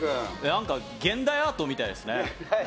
何か現代アートみたいですね。